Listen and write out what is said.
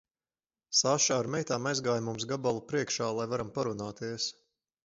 Saša ar meitām aizgāja mums gabalu priekšā, lai varam parunāties.